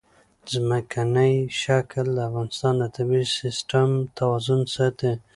ځمکنی شکل د افغانستان د طبعي سیسټم توازن ساتي.